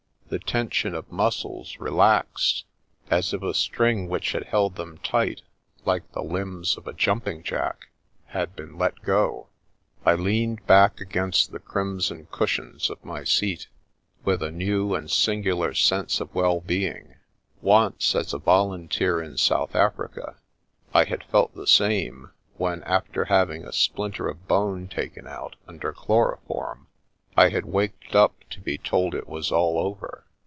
The tension of muscles re laxed, as if a string which had held them tight — like the limbs of a Jumping Jack — had been let go. I leaned back against the crimson cushions of my seat with a new and singular sense of well being. Once, as a volunteer in South Africa, I had felt the same when, after having a splinter of bone taken out, under chloroform, I had waked up to be told it was all over.